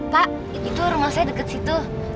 pak itu rumah saya dekat situ